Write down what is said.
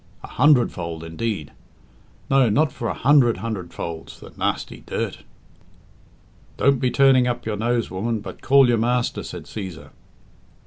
A hundredfold, indeed! No, not for a hundred hundredfolds, the nasty dirt." "Don't he turning up your nose, woman, but call your master," said Cæsar.